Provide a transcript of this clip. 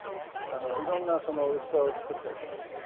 いろんな器を作ったりとかしてる。